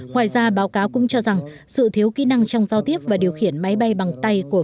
ngoài ra báo cáo cũng cho rằng sự thiếu kỹ năng trong giao tiếp và điều khiển máy bay bằng tay của